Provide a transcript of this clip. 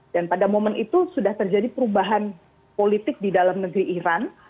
dan pada momen itu sudah terjadi perubahan politik di dalam negeri iran